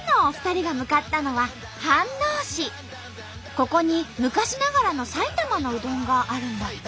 ここに昔ながらの埼玉のうどんがあるんだって。